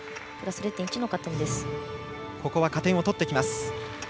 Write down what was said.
ここは加点を取ってきます。